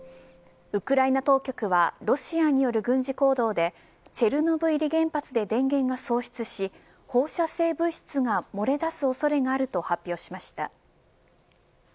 ウクライナ当局はロシアによる軍事行動でチェルノブイリ原発で電源が喪失し放射性物質がもれだす恐れがあると発表しました。